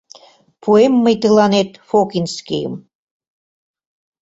— Пуэм мый тыланет «Фокинскийым»!